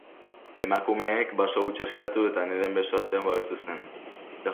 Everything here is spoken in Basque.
Emakumeak baso hutsa askatu, eta Neden beso artean babestu zen.